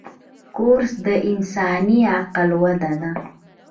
کورس د انساني عقل وده ده.